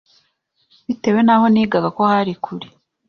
bitewe n’aho nigaga ko hari kure